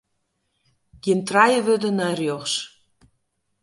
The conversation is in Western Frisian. Gean trije wurden nei rjochts.